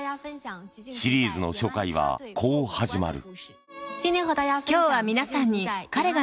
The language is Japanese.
シリーズの初回はこう始まる。